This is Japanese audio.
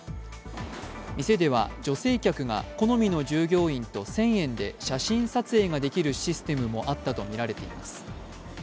店では女性客が好みの従業員と１０００円で写真撮影ができるシステムもあったとみられています。